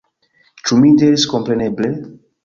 Ĉu mi diris kompreneble?